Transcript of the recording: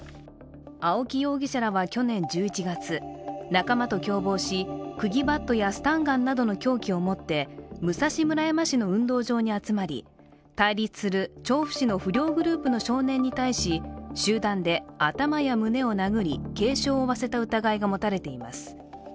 青木容疑者らは去年１１月仲間と共謀しくぎバットやスタンガンなどの凶器を持って武蔵村山市の運動場に集まり対立する調布市の不良グループの少年に対し集団で頭や胸を殴り軽傷を負わせた疑いが持たれています。